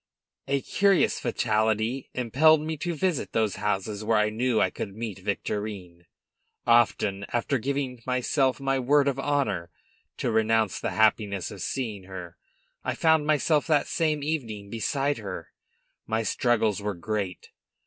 A curious fatality impelled me to visit those houses where I knew I could meet Victorine; often, after giving myself my word of honor to renounce the happiness of seeing her, I found myself that same evening beside her. My struggles were great.